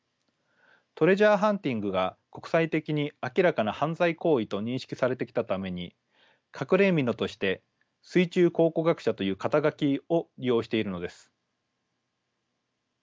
トレジャーハンティングが国際的に明らかな犯罪行為と認識されてきたために隠れ蓑として水中考古学者という肩書を利用しているのです。